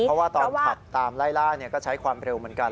เพราะว่าตอนขับตามไล่ล่าก็ใช้ความเร็วเหมือนกัน